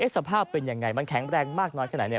สภาพเป็นอย่างไรมันแข็งแรงมากน้อยขนาดไหน